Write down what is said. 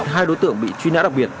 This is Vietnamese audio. hai đối tượng bị chuyên án đặc biệt